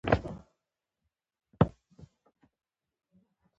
پښتانه په خپلو ګټو کې تل له خپلو خلکو سره ملګري پاتې دي.